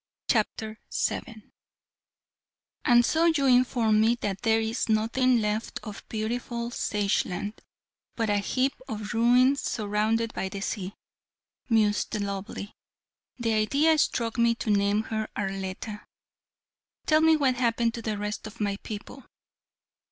CHAPTER VII "And so you inform me that there is nothing left of beautiful Sageland but a heap of ruins surrounded by the sea," mused the lovely the idea struck me to name her Arletta "tell me what happened to the rest of my people."